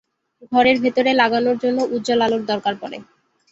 ঘরের ভেতরে লাগানোর জন্য উজ্জ্বল আলোর দরকার পড়ে।